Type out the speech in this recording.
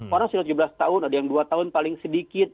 orang sudah tujuh belas tahun ada yang dua tahun paling sedikit